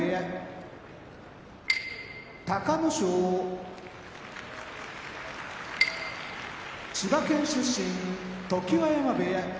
隆の勝千葉県出身常盤山部屋